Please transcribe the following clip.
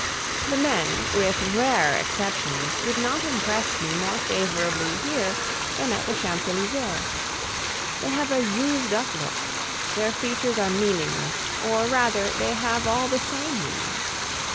The men, with rare exceptions, did not impress me more favorably here than at the Champs Elysees. They have a used up look; their features are meaningless, or rather they have all the same meaning.